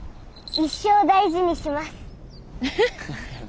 一生大事にします。